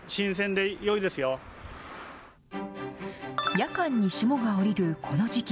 夜間に霜が降りるこの時期。